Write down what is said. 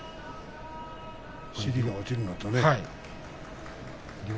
尻が落ちるのとね。